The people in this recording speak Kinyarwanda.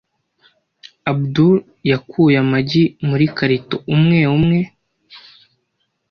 Abudul yakuye amagi muri karito umwe umwe.